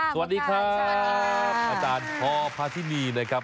สวัสดีครับอาจารย์พอพาทินีนะครับ